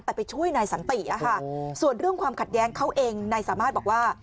แต่ไปช่วยนายสันติอะค่ะส่วนเรื่องความขัดแย้งเขาเองนายสามารถบอกว่า